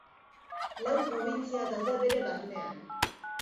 Lau probintzia daude bere barnean.